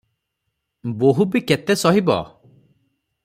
ବୋହୂ ବି କେତେ ସହିବ?